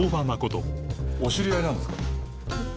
お知り合いなんですか？